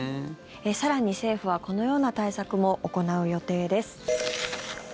更に政府はこのような対策も行う予定です。